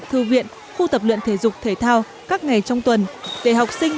thư viện khu tập luyện thể dục thể thao các ngày trong tuần để học sinh